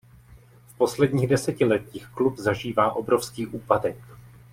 V posledních desetiletích klub zažívá obrovský úpadek.